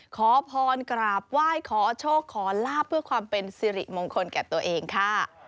ขอพรกราบไหว้ขอโชคขอลาบเพื่อความเป็นสิริมงคลแก่ตัวเองค่ะ